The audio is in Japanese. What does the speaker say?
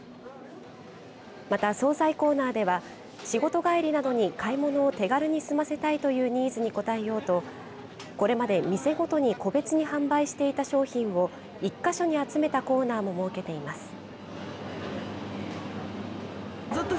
また、総菜コーナーでは仕事帰りなどに買い物を手軽に済ませたいというニーズに応えようとこれまで店ごとに個別に販売していた商品を１か所に集めたコーナーも設けています。